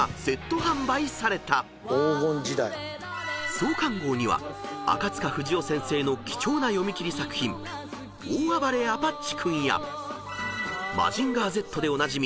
［創刊号には赤塚不二夫先生の貴重な読み切り作品『大あばれアパッチ君』や『マジンガーＺ』でおなじみ